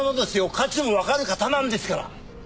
価値のわかる方なんですから。